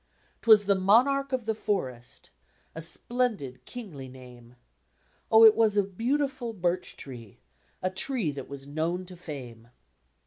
'Twas the Monarch of the Forest, A splendid kingly name. Oh, it was a beautiful birch tree, A tree that was known to fame."